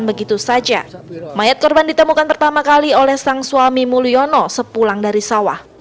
begitu saja mayat korban ditemukan pertama kali oleh sang suami mulyono sepulang dari sawah